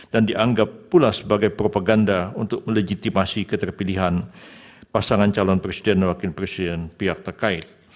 dan dianggap pula sebagai propaganda untuk melegitimasi keterpilihan pasangan calon presiden dan wakil presiden pihak terkait